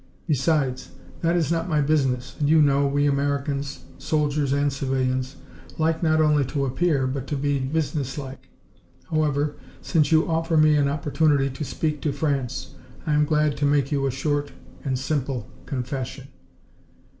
"Besides, that is not my business, and, you know, we Americans, soldiers and civilians, like not only to appear, but to be, businesslike. However, since you offer me an opportunity to speak to France, I am glad to make you a short and simple confession.